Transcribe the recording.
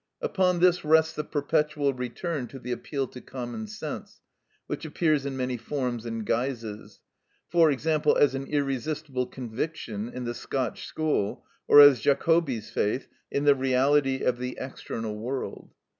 Upon this rests the perpetual return to the appeal to common sense, which appears in many forms and guises; for example, as an "irresistible conviction" in the Scotch school, or as Jacobi's faith in the reality of the external world.